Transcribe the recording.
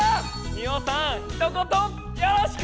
ミオさんひと言よろしく！